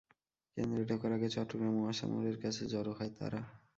কেন্দ্রে ঢোকার আগে চট্টগ্রাম ওয়াসা মোড়ের কাছে জড়ো হয় তারা।